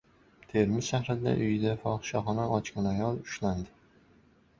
Termiz shahrida uyida fohishaxona ochgan ayol ushlandi